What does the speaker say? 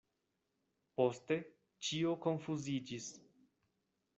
Poste ĉio konfuziĝis.